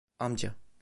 Amca.